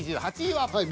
はい。